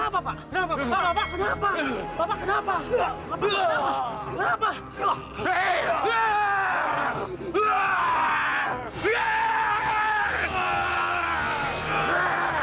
bapak kenapa bapak kenapa kenapa kenapa